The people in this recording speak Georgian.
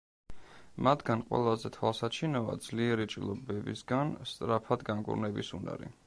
მათგან ყველაზე თვალსაჩინოა ძლიერი ჭრილობებისგან, სწრაფად განკურნების უნარი.